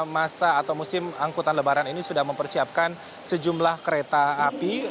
masa atau musim angkutan lebaran ini sudah mempersiapkan sejumlah kereta api